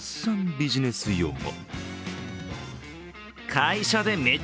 ビジネス用語。